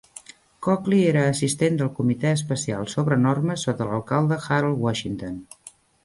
Cokely era assistent del comitè especial sobre normes sota l'alcalde Harold Washington.